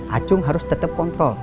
acung harus tetap kontrol